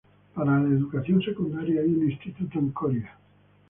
Para la educación secundaria hay un instituto en Coria.